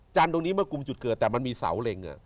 ตรงนี้เมื่อกลุ่มจุดเกิดแต่มันมีเสาเล็ง